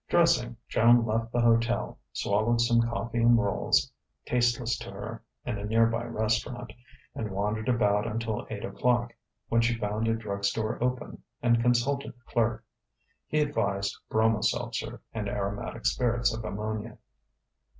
Dressing, Joan left the hotel, swallowed some coffee and rolls, tasteless to her, in a nearby restaurant, and wandered about until eight o'clock, when she found a drug store open, and consulted the clerk. He advised bromo seltzer and aromatic spirits of ammonia.